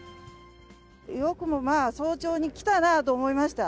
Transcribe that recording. よくもまあ、早朝に来たなと思いました。